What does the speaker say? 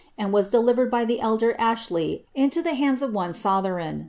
and was delivered by the elder Ashley into the hands of one Soiberon.